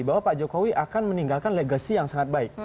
bahwa pak jokowi akan meninggalkan legacy yang sangat baik